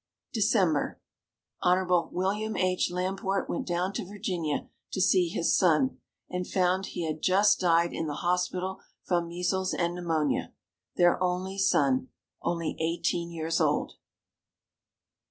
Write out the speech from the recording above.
December. Hon. William H. Lamport went down to Virginia to see his son and found that he had just died in the hospital from measles and pneumonia. Their only son, only eighteen years old!